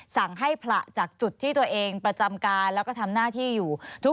สั่งให้ผละจากจุดที่ตัวเองประจำการแล้วก็ทำหน้าที่อยู่